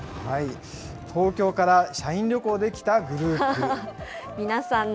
東京から社員旅行で来たグループ。